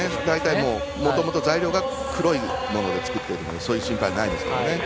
もともと材料が黒いもので作っているのでそういう心配はないんですけど。